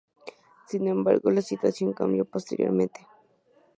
Sin embargo, la situación cambió posteriormente.